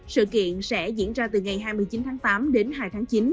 sự kiện sẽ diễn ra từ ngày hai mươi chín tháng tám đến hai tháng chín